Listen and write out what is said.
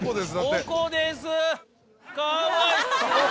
「おこです」！